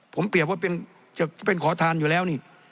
ผมเปรียบว่าเป็นขอทานอยู่แล้วนี่